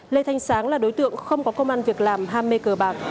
lê thanh sáng là đối tượng không có công an việc làm ham mê cờ bạc